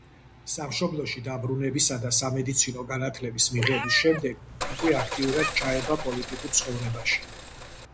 სამშობლოში დაბრუნებისა და სამედიცინო განათლების მიღების შემდეგ უკვე აქტიურად ჩაება პოლიტიკურ ცხოვრებაში.